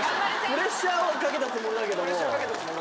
プレッシャーをかけたつもりだけども。